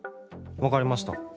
分かりました。